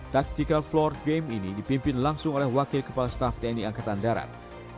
taktikal floor game ini dipimpin langsung oleh wakil kepala staff tni angkatan darat